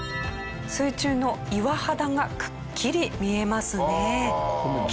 水中の岩肌がくっきり見えますね。